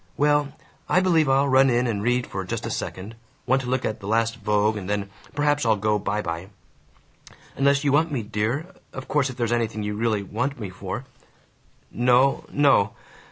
Well I believe I'll run in and read for just a second want to look at the last Vogue and then perhaps I'll go by by. Unless you want me, dear? Of course if there's anything you really WANT me for?" "No. No.